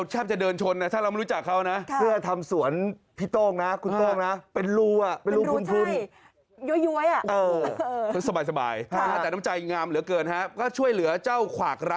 แทบจะเดินชนถ้าเราไม่รู้จักเขา